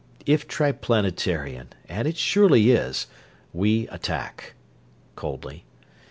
"If Triplanetarian, and it surely is, we attack," coldly.